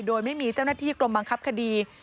โดยไม่มีเจ้าหน้าที่กรมบังคับคดี